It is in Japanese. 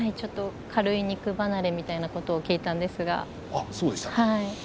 軽い肉離れみたいなことを聞いたんですが。